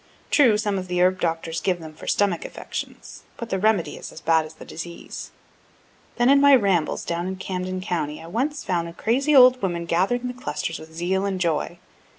True, some of the herb doctors give them for stomachic affections, but the remedy is as bad as the disease. Then in my rambles down in Camden county I once found an old crazy woman gathering the clusters with zeal and joy.